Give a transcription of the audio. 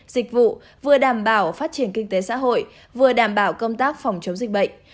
dịch vụ vừa đảm bảo phát triển kinh tế xã hội vừa đảm bảo công tác phòng chống dịch bệnh